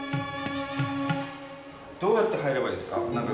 どうやって入ればいいですか？